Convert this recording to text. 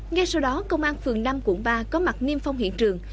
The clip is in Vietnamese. ngay sau đó công an phường năm quận ba có mặt nghiêm phong hiện trường